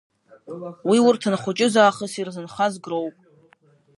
Уи урҭ анхәыҷыз аахыс ирзынхаз гроуп.